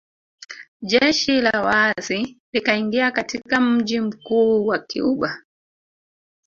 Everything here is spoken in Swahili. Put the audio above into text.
Jeshi la waasi likaingia katika mji mkuu wa Cuba